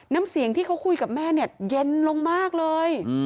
น้ำเสียงที่เขาคุยกับแม่เนี่ยเย็นลงมากเลย